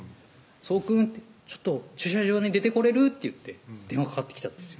「そうくんちょっと駐車場に出てこれる？」って言って電話かかってきたんですよ